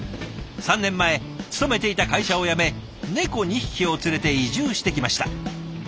３年前勤めていた会社を辞め猫２匹を連れて移住してきました。